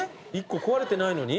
１個壊れてないのに？